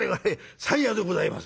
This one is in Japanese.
『山谷でございます』